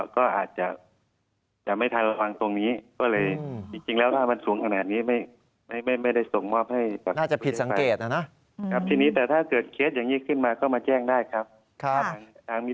ก็อาจจะไม่ทันระวังตรงนี้ก็เลยจริงแล้วถ้ามันสูงขนาดนี้ไม่ได้ส่งมอบให้ปรากฏตัวเองไป